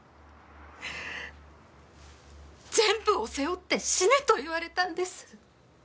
「全部を背負って死ね」と言われたんです。